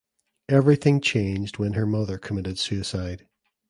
Everything changed when her mother committed suicide.